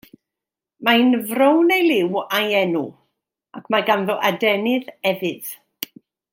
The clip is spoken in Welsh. Mae'n frown ei liw a'i enw, ac mae ganddo adenydd efydd.